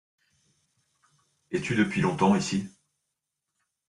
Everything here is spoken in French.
Es-tu depuis longtemps ici ?